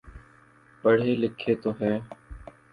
پڑھے لکھے تو ہیں۔